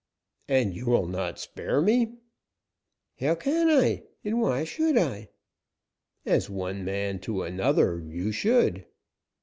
"And you will not spare me?" "How can I, and why should I?" "As one man to another, you should."